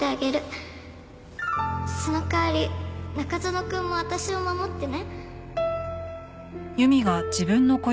その代わり中園くんも私を守ってね。